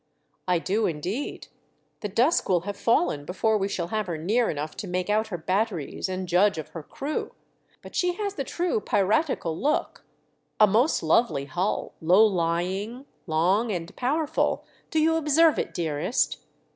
" I do, indeed. The dusk will have fallen before we shall have her near enough to make out her batteries and judge of her crew ; but she has the true piratical look : a most lovely hull — low lying, long and powerful — do you observe it, dearest